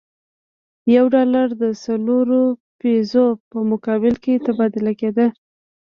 یو ډالر د څلورو پیزو په مقابل کې تبادله کېده.